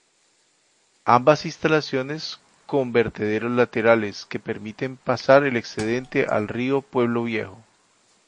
Ambas instalaciones con vertederos laterales, que permiten pasar el excedente al río Pueblo Viejo.